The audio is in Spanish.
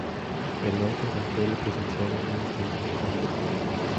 El auto de fe lo presenciaron unas treinta mil personas.